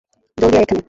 জলদি আয় এখানে।